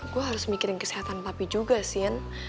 gue harus mikirin kesehatan papi juga sihan